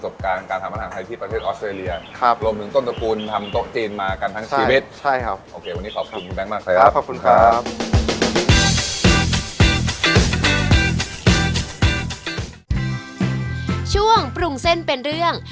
มาแล้วครับเชฟ